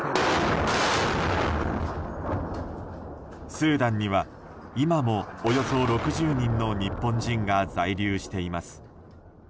スーダンには今もおよそ６０人の日本人が在留しています。